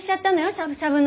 しゃぶしゃぶの。